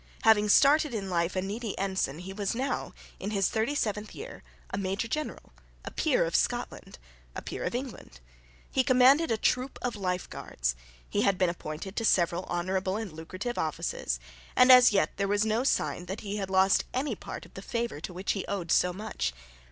Having started in life a needy ensign, he was now, in his thirty seventh year, a Major General, a peer of Scotland, a peer of England: he commanded a troop of Life Guards: he had been appointed to several honourable and lucrative offices; and as yet there was no sign that he had lost any part of the favour to which he owed so much.